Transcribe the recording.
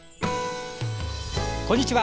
こんにちは。